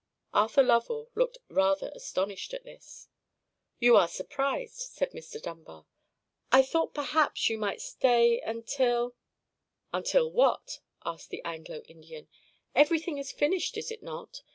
Arthur Lovell looked rather astonished at this. "You are surprised," said Mr. Dunbar. "I thought perhaps that you might stay—until——" "Until what?" asked the Anglo Indian; "everything is finished, is it not?